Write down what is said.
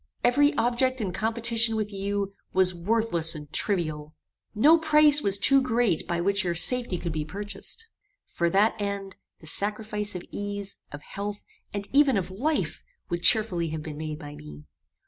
Every object in competition with you, was worthless and trivial. No price was too great by which your safety could be purchased. For that end, the sacrifice of ease, of health, and even of life, would cheerfully have been made by me.